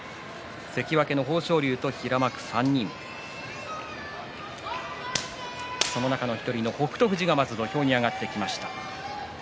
関脇の豊昇龍と平幕３人その中の１人の北勝富士がまず土俵に上がってきました。